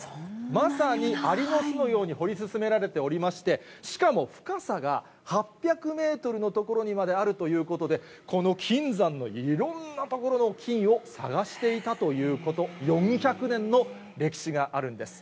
まさに、ありの巣のように掘り進められておりまして、しかも深さが８００メートルの所にまであるということで、この金山のいろんな所の金を探していたということ、４００年の歴史があるんです。